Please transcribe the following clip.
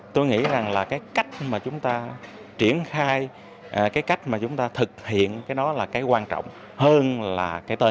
tôi nghĩ rằng cách mà chúng ta triển khai cách mà chúng ta thực hiện là cái quan trọng hơn là cái tên